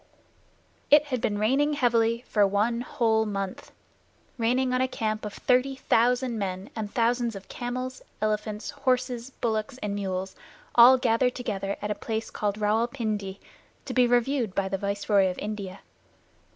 It had been raining heavily for one whole month raining on a camp of thirty thousand men and thousands of camels, elephants, horses, bullocks, and mules all gathered together at a place called Rawal Pindi, to be reviewed by the Viceroy of India.